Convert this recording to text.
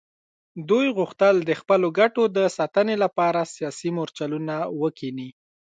دوی غوښتل د خپلو ګټو د ساتنې لپاره سیاسي مورچلونه وکیني.